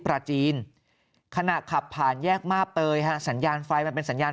ปราจีนขณะขับผ่านแยกมาบเตยฮะสัญญาณไฟมันเป็นสัญญาณ